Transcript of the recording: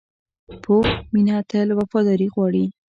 پوخ مینه تل وفاداري غواړي